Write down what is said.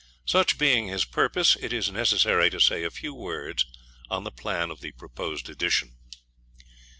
Such being his purpose, it is necessary to say a few words on the plan of the proposed Edition.